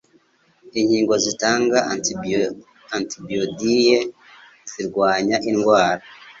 Inkingo zitanga antibodiyite zirwanya indwara